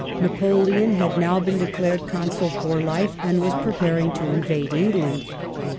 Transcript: Napoleon had now been declared Consul for life, and was preparing to invade England.